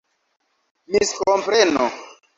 miskompreno